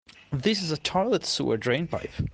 This is a toilet sewer drain pipe.